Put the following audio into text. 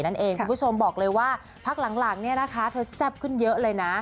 คุณผู้ชมบอกเลยว่าพรรคหลังเธอแซ่บขึ้นเยอะเลยนะ